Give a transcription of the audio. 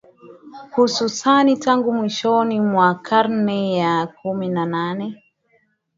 Hususani tangu mwishoni mwa karne ya kumi na nane